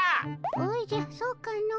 おじゃそうかの。